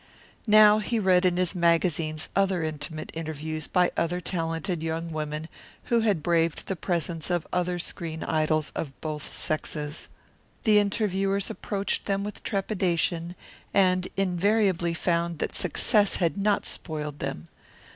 Now he read in his magazines other intimate interviews by other talented young women who had braved the presence of other screen idols of both sexes. The interviewers approached them with trepidation, and invariably found that success had not spoiled them.